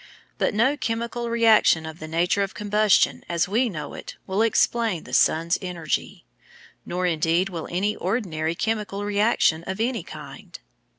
But no chemical reaction of the nature of combustion as we know it will explain the sun's energy, nor indeed will any ordinary chemical reaction of any kind.